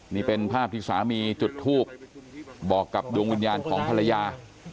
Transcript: นี่เป็นภาพที่สามีจุดทูบบอกกับดวงวิญญาณของภรรยา